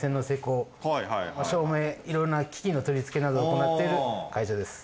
照明色々な機器の取り付けなどを行っている会社です。